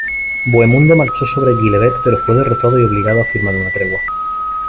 Bohemundo marchó sobre Gibelet pero fue derrotado y obligado a firmar una tregua.